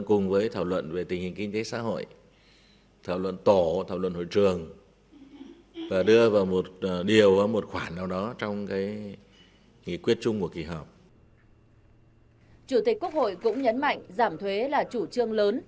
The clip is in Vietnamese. chủ tịch quốc hội cũng nhấn mạnh giảm thuế là chủ trương lớn